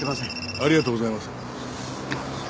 ありがとうございます。